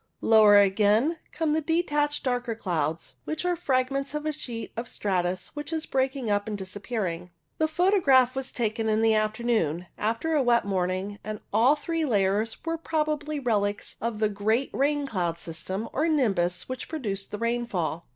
Lower again come the detached darker clouds, which are fragments of a sheet of stratus which is breaking up and disappearing. The photograph was taken in the afternoon, after a wet morning, and all three layers were probably relics of the great rain cloud system, or nimbus, which produced the rainfall.